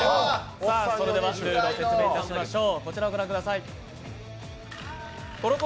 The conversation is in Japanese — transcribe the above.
それでは、ルールを説明いたしましょう。